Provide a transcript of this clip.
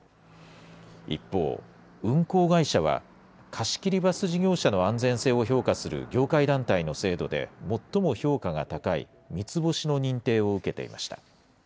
一方、運行会社は、貸し切りバス事業者の安全性を評価する業界団体の制度で最も評価が高い三つ星の認定を受けていました。